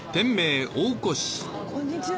こんにちは。